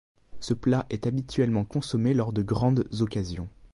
Ce plat est habituellement consommé lors de grandes occasions.